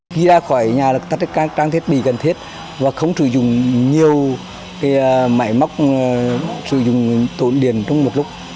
khi ra khỏi nhà chúng ta đang thiết bị cần thiết và không sử dụng nhiều mạng mắc sử dụng tổn điện trong một lúc